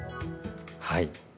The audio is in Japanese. はい。